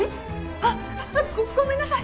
あごごめんなさい！